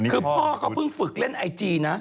คือพ่อเขาเพิ่งฝึกเล่นไอจีนะ